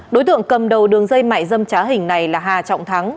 đối tượng cầm đầu đường dây mại dâm trá hình này là hà trọng thắng